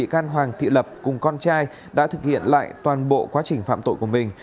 bị can hoàng thị lập cùng con trai đã thực hiện lại toàn bộ quá trình phạm tội của mình